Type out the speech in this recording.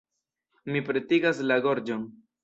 Mi pretigas la gorĝon.